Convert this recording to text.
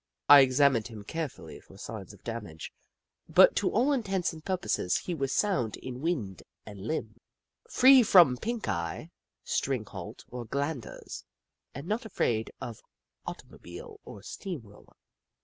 I examined him carefully for signs of damage, but to all intents and pur poses he was sound in wind and limb, free from pink eye, string halt, or glanders, and not afraid of automobile or steam roller.